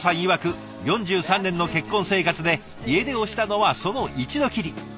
いわく４３年の結婚生活で家出をしたのはその一度きり。